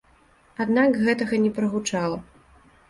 Аднак гэтага не прагучала.